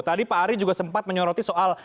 tadi pak ari juga sempat menyoroti soal